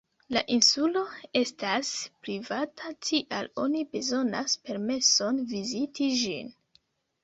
La insulo estas privata, tial oni bezonas permeson viziti ĝin.